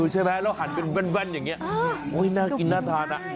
ใช่ไหมแล้วหันเป็นแว่นอย่างนี้น่ากินน่าทาน